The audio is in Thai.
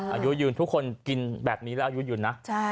อายุยืนทุกคนกินแบบนี้แล้วอายุยืนนะ